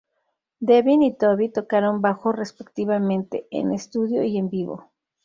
Devin y Toby tocaron bajo respectivamente, en estudio y en vivo.